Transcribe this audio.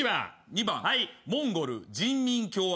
２番モンゴル人民共和国。